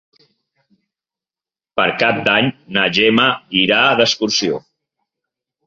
Per Cap d'Any na Gemma irà d'excursió.